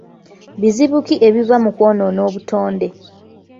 Bizibu ki ebiva mu kwonoona obutonde?